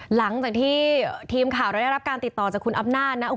หลังจากที่ทีมข่าวเราได้รับการติดต่อจากคุณอำนาจนะ